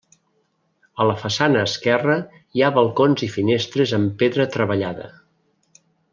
A la façana esquerra hi ha balcons i finestres amb pedra treballada.